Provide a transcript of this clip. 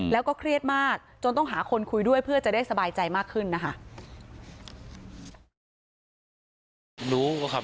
แล้วก็เครียดมากจนต้องหาคนคุยด้วยเพื่อจะได้สบายใจมากขึ้นนะคะ